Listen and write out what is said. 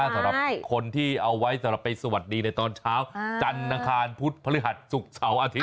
สำหรับคนที่เอาไว้สำหรับไปสวัสดีในตอนเช้าจันทร์อังคารพุธพฤหัสศุกร์เสาร์อาทิตย